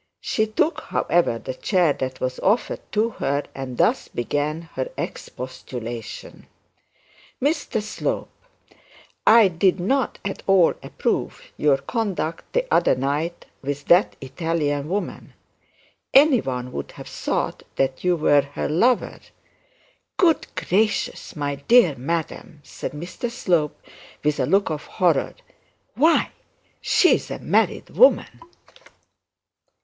She took, however, the chair that was offered to her, and thus began her expostulation : 'Mr Slope, I did not at all approve your conduct the other night with that Italian woman. Any one would have thought that you were her lover.' 'Good gracious, my dear madam,' said Mr Slope, with a look of horror. 'Why, she is a married woman.'